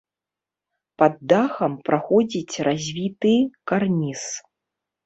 Пад дахам праходзіць развіты карніз.